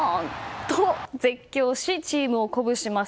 と絶叫しチームを鼓舞します。